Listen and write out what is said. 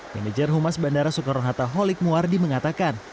manager humas bandara soekarno hatta holik muardi mengatakan